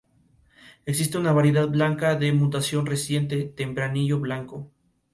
Existe una variedad blanca de mutación reciente: tempranillo blanco.